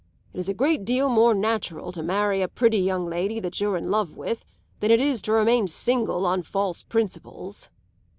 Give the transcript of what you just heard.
It is a great deal more natural to marry a pretty young lady that you're in love with than it is to remain single on false principles."